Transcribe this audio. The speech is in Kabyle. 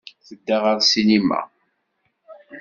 Tedda ɣer ssinima.